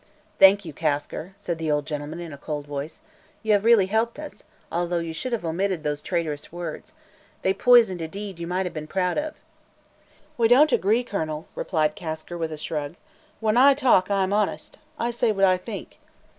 "Thank you, Kasker," said the old gentleman, in a cold voice. "You have really helped us, although you should have omitted those traitorous words. They poisoned a deed you might have been proud of." "We don't agree, Colonel," replied Kasker, with a shrug. "When I talk, I'm honest; I say what I think."